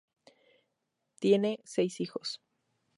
Tiene seis hijos.